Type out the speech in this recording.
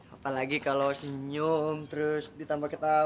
apalagi kalau senyum terus ditambah kita